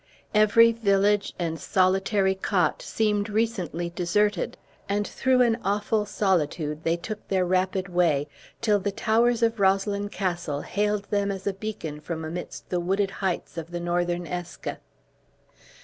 Every village and solitary cot seemed recently deserted; and through an awful solitude they took their rapid way, till the towers of Roslyn Castle hailed them as a beacon from amidst the wooded heights of the northern Eske.